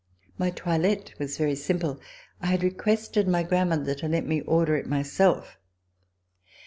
My toilette was very simple. I had requested my grandmother to let me order it myself.